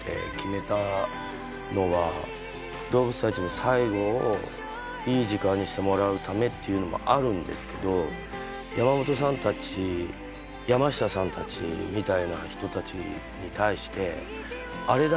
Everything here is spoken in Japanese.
動物たちの最期をいい時間にしてもらうためっていうのもあるんですけど山本さんたち山下さんたちみたいな人たちに対して。